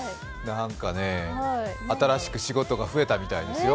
なんかね、新しく仕事が増えたみたいですよ。